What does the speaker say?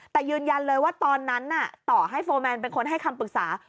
แต่ยืนยันเลยว่าตอนนั้นต่อให้โฟร์แมนเป็นคนให้คำปรึกษา